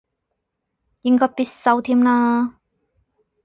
應該必修添啦